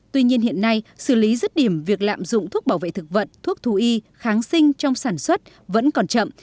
tuy nhiên hiện nay xử lý rứt điểm việc lạm dụng thuốc bảo vệ thực vật thuốc thú y kháng sinh trong sản xuất vẫn còn chậm